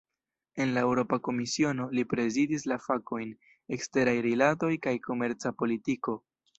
En la Eŭropa Komisiono, li prezidis la fakojn "eksteraj rilatoj kaj komerca politiko".